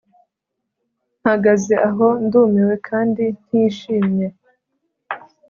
mpagaze aho ndumiwe kandi ntishimye.